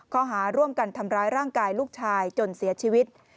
ข้อหาร่วมกันทำร้ายร่างกายลูกชายจนเสียชีวิต